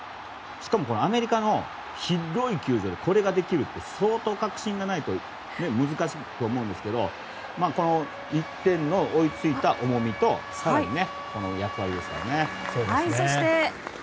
しかも、アメリカの広い球場でこれができるって、相当確信がないと、難しいと思うんですけど１点追いついた重みと更に、この役割ですよね。